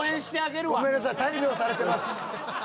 ごめんなさい大病されてます。